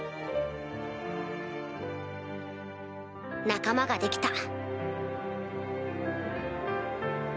仲間ができた。